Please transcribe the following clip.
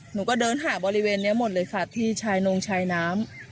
หนูก็เดินหาบริเวณนี้หมดเลยค่ะที่ชายนงชายน้ำ